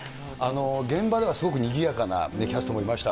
現場ではすごくにぎやかなキャストもいました。